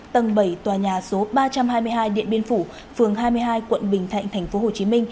tầng bảy tòa nhà số ba trăm hai mươi hai điện biên phủ phường hai mươi hai quận bình thạnh tp hcm